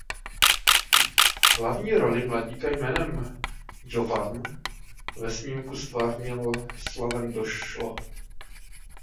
Hlavní roli mladíka jménem Jovan ve snímku ztvárnil Slaven Došlo.